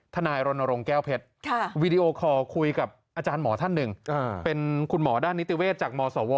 นายรณรงค์แก้วเพชรวีดีโอคอร์คุยกับอาจารย์หมอท่านหนึ่งเป็นคุณหมอด้านนิติเวศจากมศว